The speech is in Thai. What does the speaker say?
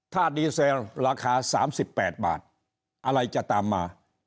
ถ้าดีเซลราคา๓๘บาทอะไรจะตามมา